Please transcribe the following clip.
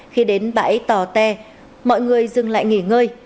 khi đến bãi tò te mọi người dừng lại nghỉ ngơi